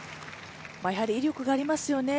やはり威力がありますよね。